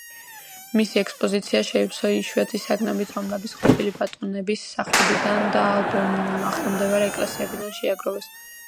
მისი ექსპოზიცია შეივსო იშვიათი საგნებით, რომლებიც ყოფილი ბატონების სახლებიდან და ახლომდებარე ეკლესიებიდან შეაგროვეს.